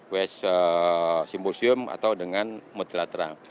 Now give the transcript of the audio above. west simposium atau dengan multilateral